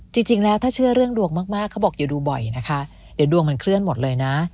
จริงแล้วถ้าเชื่อเรื่องดวงมากเขาบอกอย่าดูบ่อยนะคะเดี๋ยวดวงมันเคลื่อนหมดเลยนะ